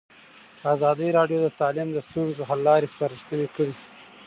ازادي راډیو د تعلیم د ستونزو حل لارې سپارښتنې کړي.